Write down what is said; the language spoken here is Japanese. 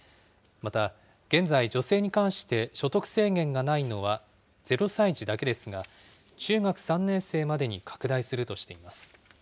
また、現在助成に関して所得制限がないのは０歳児だけですが、中学３年生までに拡大するとしています。